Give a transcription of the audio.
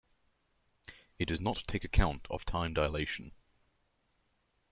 It does not take account of time dilation.